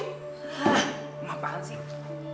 hah emang apaan sih itu